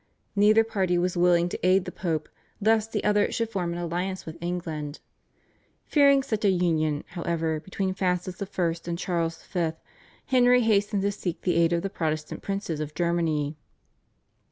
Neither party was willing to aid the Pope lest the other should form an alliance with England. Fearing such a union, however, between Francis I. and Charles V. Henry hastened to seek the aid of the Protestant princes of Germany.